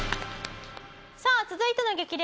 さあ続いての激